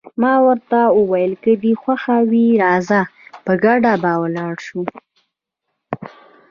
ما ورته وویل: که دې خوښه وي راځه، په ګډه به ولاړ شو.